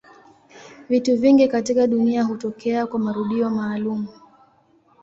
Vitu vingi katika dunia hutokea kwa marudio maalumu.